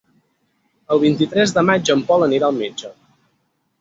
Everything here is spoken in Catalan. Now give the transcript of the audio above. El vint-i-tres de maig en Pol anirà al metge.